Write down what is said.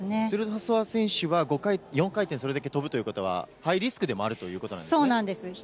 トゥルソワ選手は４回転、それだけ跳ぶということは、ハイリスクでもあるということなそうなんです。